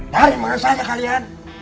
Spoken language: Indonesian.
dari mana saja kalian